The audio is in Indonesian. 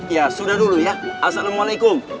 ya sudah dulu ya assalamualaikum